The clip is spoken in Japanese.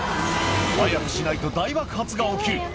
早くしないと大爆発が起きる。